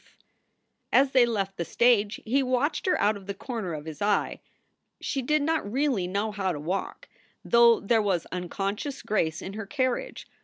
236 SOULS FOR SALE As they left the stage he watched her out of the corner of his eye. She did not really know how to walk, though there was unconscious grace in her carriage.